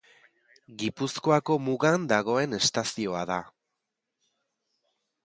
Gipuzkoako mugan dagoen estazioa da.